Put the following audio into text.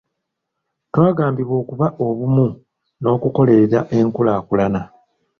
twagambibwa okuba obumu n'okukolerera enkulaakulana.